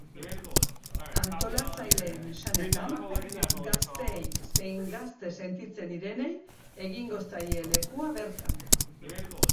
Antolatzaileen esanetan, gazteei zein gazte sentitzen direnei egingo zaie lekua bertan.